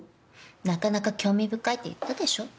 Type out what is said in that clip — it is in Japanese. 「なかなか興味深い」って言ったでしょ。